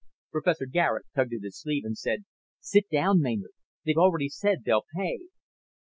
Professor Garet tugged at his sleeve and said, "Sit down, Maynard. They've already said they'll pay."